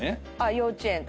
幼稚園とかに？